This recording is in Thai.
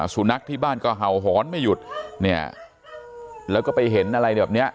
สุนัขที่บ้านก็เห่าหอนไม่หยุดเนี่ยแล้วก็ไปเห็นอะไรแบบเนี้ย